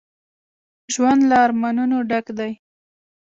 ژوند له ارمانونو ډک دی